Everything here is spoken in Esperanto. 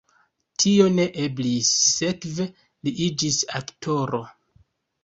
Tio ne eblis, sekve li iĝis aktoro.